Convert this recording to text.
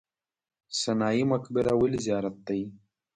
سنايي مقبره ولې زیارت دی؟